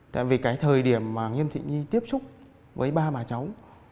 tại vì cái thời điểm mà nghiêm thị nhi tiếp xúc với ba bà cháu